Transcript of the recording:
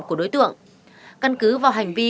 của đối tượng căn cứ vào hành vi